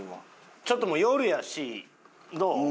ちょっともう夜やしどう？